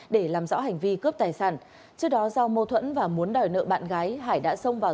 để làm rõ hành vi cướp tài sản trước đó do mâu thuẫn và muốn đòi nợ bạn gái hải đã xông vào